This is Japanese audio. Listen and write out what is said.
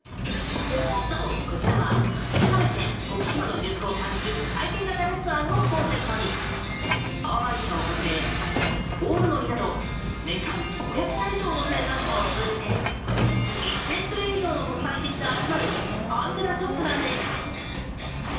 そう、こちらは食べて徳島の魅力を感じる体験型レストランをコンセプトに阿波番茶をはじめ、大野のりなど年間５００社以上の生産者を通じて１０００種類以上の特産品が集まるアンテナショップなんです。